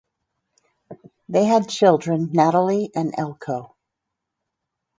They had children Natalie and Elko.